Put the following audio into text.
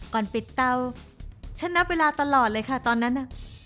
ก่อนปิดเตาฉันนับเวลาตลอดเลยค่ะตอนนั้นน่ะ